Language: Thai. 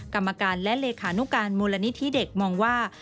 กรรมการและเลขานุการมูลนิธิเด็กมองว่า